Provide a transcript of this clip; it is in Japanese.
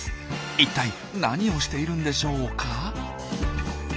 いったい何をしているんでしょうか。